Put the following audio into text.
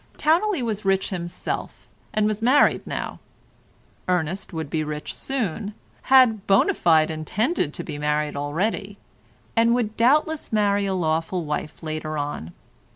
Towneley was rich himself, and was married now; Ernest would be rich soon, had bona fide intended to be married already, and would doubtless marry a lawful wife later on.